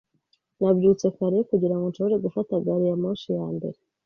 Nabyutse kare, kugira ngo nshobore gufata gari ya moshi ya mbere.